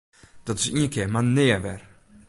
Dat is ien kear mar nea wer!